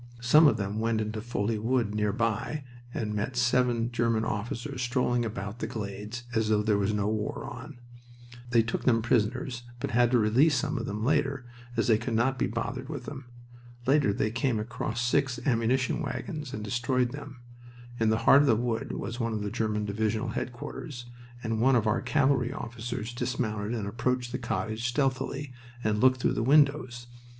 Some of them went into the Folie Wood nearby and met seven German officers strolling about the glades, as though no war was on. They took them prisoners, but had to release some of them later, as they could not be bothered with them. Later they came across six ammunition wagons and destroyed them. In the heart of the wood was one of the German divisional headquarters, and one of our cavalry officers dismounted and approached the cottage stealthily, and looked through the windows.